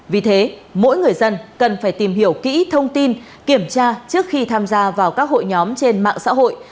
vì thế mỗi người dân cần phải tìm hiểu kỹ thông tin kiểm tra trước khi tham gia vào các hội nhóm trên mạng xã hội